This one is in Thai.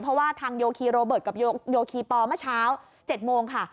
เพราะว่าทางโยคีโรเบิร์ตกับโยคีปอเมื่อเช้า๗โมงค่ะ